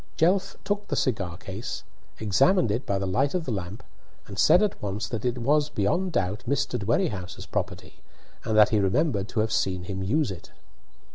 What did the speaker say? Jelf took the cigar case, examined it by the light of the lamp, and said at once that it was beyond doubt Mr. Dwerrihouse's property, and that he remembered to have seen him use it.